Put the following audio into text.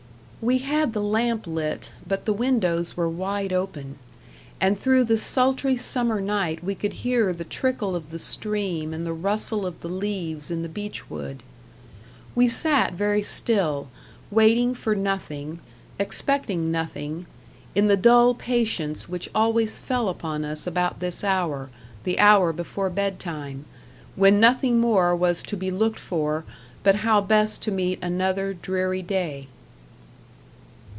We had the lamp lit, but the windows were wide open; and through the sultry summer night we could hear the trickle of the stream and the rustle of the leaves in the beech wood. We sat very still, waiting for nothing, expecting nothing; in the dull patience which always fell upon us about this hour the hour before bed time, when nothing more was to be looked for but how best to meet another dreary day.